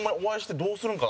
「どうするんかな」